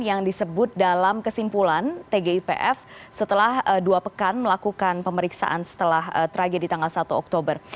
yang disebut dalam kesimpulan tgipf setelah dua pekan melakukan pemeriksaan setelah tragedi tanggal satu oktober